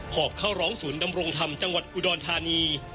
อบเข้าร้องศูนย์ดำรงธรรมจังหวัดอุดรธานี